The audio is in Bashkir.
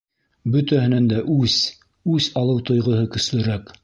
- Бөтәһенән дә үс, үс алыу тойғоһо көслөрәк!